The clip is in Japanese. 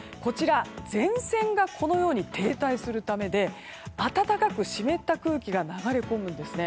前線が停滞するためで暖かく湿った空気が流れ込むんですね。